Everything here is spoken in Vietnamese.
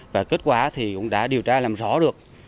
và kết quả thì cũng đã điều tra làm rõ được